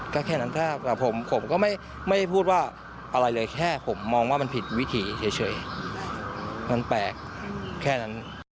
ก็แค่นั้นถ้าผมก็ไม่ได้พูดว่าอะไรเลยแค่ผมมองว่ามันผิดวิธีเฉยมันแปลกแค่นั้น